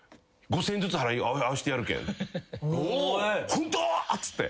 「ホント！？」っつって。